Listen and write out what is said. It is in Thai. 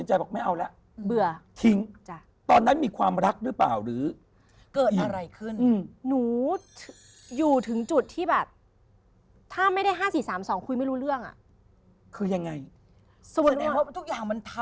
แสดงว่าทุกอย่างมันทำปันงานหมด